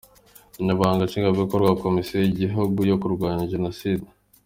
Umunyamabanga Nshingwabikorwa wa Komisiyo y’Igihugu yo Kurwanya Jenoside